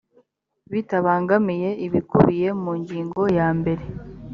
bitabangamiye ibikubiye mu ngingo ya mbere